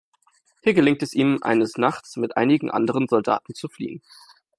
Hier gelingt es ihm, eines Nachts mit einigen anderen Soldaten zu fliehen.